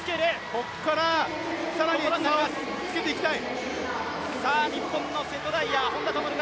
ここから更に差をつけていきたい。